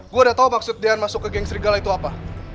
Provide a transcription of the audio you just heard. gue udah tau maksud dian masuk ke geng serigala itu apa